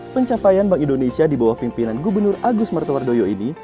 pencapaian bank indonesia di bawah pimpinan gubernur agus martowardoyo ini